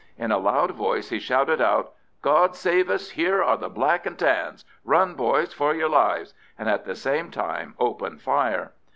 In a loud voice he shouted out, "God save us, here are the Black and Tans; run, boys, for your lives," and at the same time opened fire.